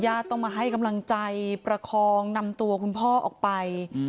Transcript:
ต้องมาให้กำลังใจประคองนำตัวคุณพ่อออกไป